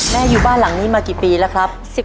อยู่บ้านหลังนี้มากี่ปีแล้วครับ